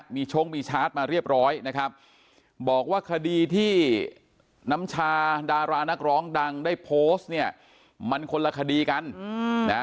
มีชงมีชาร์จมาเรียบร้อยนะครับบอกว่าคดีที่น้ำชาดารานักร้องดังได้โพสต์เนี่ยมันคนละคดีกันนะ